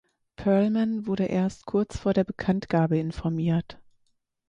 Perlman wurde erst kurz vor der Bekanntgabe informiert.